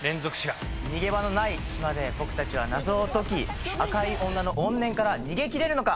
逃げ場のない島で僕たちは謎を解き赤い女の怨念から逃げ切れるのか⁉